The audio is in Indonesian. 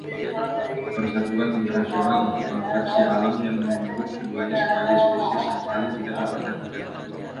Persatuan Internasional untuk Konservasi Alam menyebut keduanya sebagai spesies yang paling tidak diperhatikan.